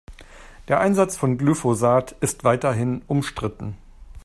Der Einsatz von Glyphosat ist weiterhin umstritten.